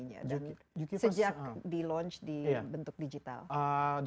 sejak di launch di bentuk digital